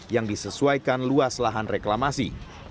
yang disesuaikan luas lahan reklamasi